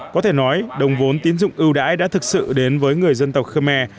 có thể nói đồng vốn tín dụng ưu đãi đã thực sự đến với người dân tộc khmer